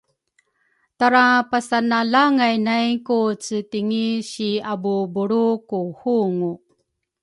Tara pasana langay nay ku cetingi si abuubulru ku hungu